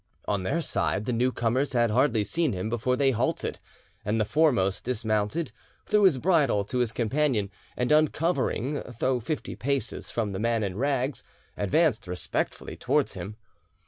On their side the new comers had hardly seen him before they halted, and the foremost dismounted, threw his bridle to his companion, and uncovering, though fifty paces from the man in rags, advanced respectfully towards him.